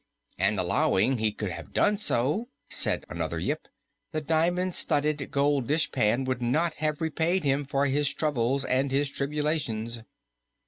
"And, allowing he could have done so," said another Yip, "the diamond studded gold dishpan would not have repaid him for his troubles and his tribulations."